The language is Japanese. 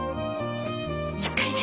しっかりね。